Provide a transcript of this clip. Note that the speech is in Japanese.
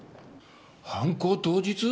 犯行当日？